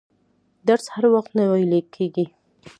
درس هر وخت نه ویل کیږي.